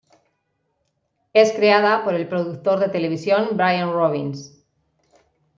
Es creada por el productor de televisión Brian Robbins.